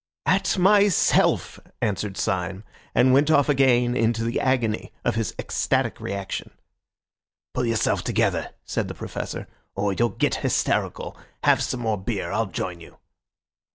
"At myself," answered Syme, and went off again into the agony of his ecstatic reaction. "Pull yourself together," said the Professor, "or you'll get hysterical. Have some more beer. I'll join you."